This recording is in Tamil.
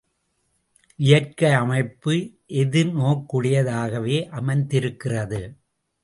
இயற்கை அமைப்பு எதிர்நோக்குடையதாகவே அமைந்திருக்கிறது.